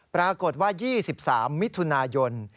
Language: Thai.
ปรากฏว่า๒๓มิถุนายน